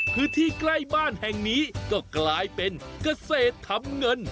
คือที่ใกล้บ้านแห่งนี้ก็กลายเป็นเกษตรทำเงิน